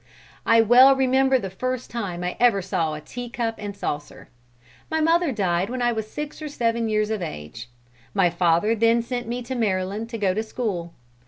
"I well remember the first time I ever saw a tea cup and saucer. My mother died when I was six or seven years of age. My father then sent me to Maryland to go to school.